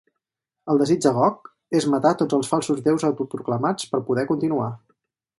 El desig de Gog és matar tots els falsos déus autoproclamats per poder continuar.